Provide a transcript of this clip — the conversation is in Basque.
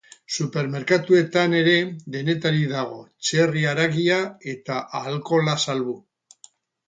Supermerkatuetan ere denetarik dago, txerri haragia eta alkohola salbu.